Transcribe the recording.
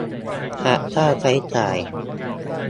หักค่าใช้จ่าย